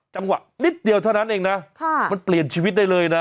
จังหวะนิดเดียวเท่านั้นเองนะมันเปลี่ยนชีวิตได้เลยนะ